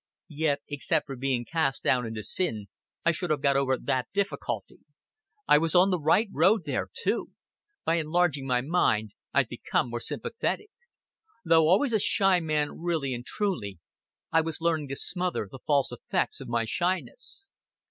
Yet, except for being cast down into sin, I should have got over that difficulty. I was on the right road there too. By enlarging my mind I'd become more sympathetic. Though always a shy man really and truly, I was learning to smother the false effects of my shyness."